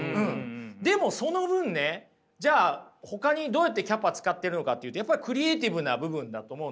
でもその分ねじゃあほかにどうやってキャパ使ってるのかってやっぱりクリエーティブな部分だと思うんですよ。